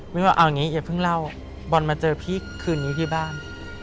เดี๋ยวเราค่อยคุยกัน